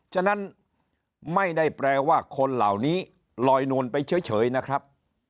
ฉะนั้นไม่ได้แปลว่าคนเหล่านี้ลอยนวลไปเฉยนะครับ